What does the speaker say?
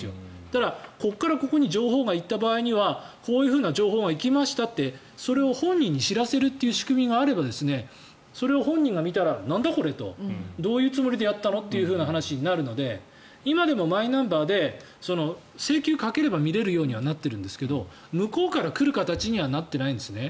だから、ここからここに情報が行った場合にはこういうふうな情報が行きましたってそれを本人に知らせる仕組みがあればそれを本人が見ればなんだこれと。どういうつもりでやったのという話になるので今でもマイナンバーで請求をかければ見れるようにはなってるんですけど向こうから来る形にはなっていないんですね。